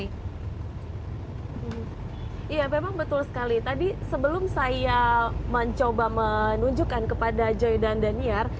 iya betul sekali tadi sebelum saya mencoba menunjukkan kepada joy dan daniar